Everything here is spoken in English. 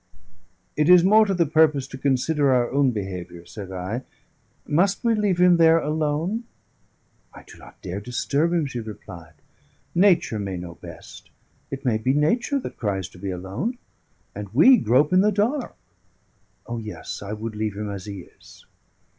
"It is more to the purpose to consider our own behaviour," said I. "Must we leave him there alone?" "I do not dare disturb him," she replied. "Nature may know best; it may be Nature that cries to be alone; and we grope in the dark. O yes, I would leave him as he is."